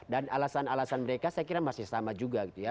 dan alasan alasan mereka saya kira masih sama juga gitu ya